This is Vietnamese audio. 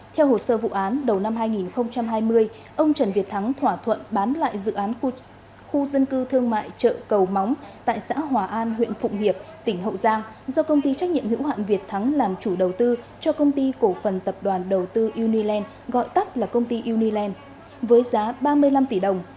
theo hồ sơ vụ án đầu năm hai nghìn hai mươi ông trần việt thắng thỏa thuận bán lại dự án khu dân cư thương mại chợ cầu móng tại xã hòa an huyện phụng hiệp tỉnh hậu giang do công ty trách nhiệm hữu hạn việt thắng làm chủ đầu tư cho công ty cổ phần tập đoàn đầu tư uniland gọi tắt là công ty uniland với giá ba mươi năm tỷ đồng